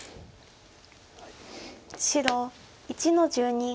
白１の十二。